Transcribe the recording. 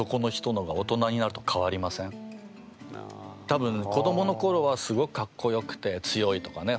多分子どものころはすごくカッコよくて強いとかね